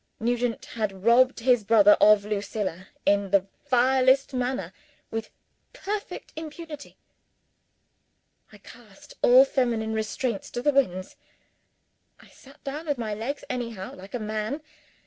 Nugent had robbed his brother of Lucilla, in the vilest manner, with perfect impunity! I cast all feminine restraints to the winds. I sat down with my legs anyhow, like a man.